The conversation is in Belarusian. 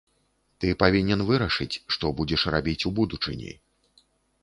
Ты павінен вырашыць, што будзеш рабіць у будучыні.